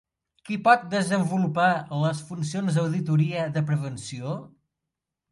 Qui pot desenvolupar les funcions d'auditoria de prevenció?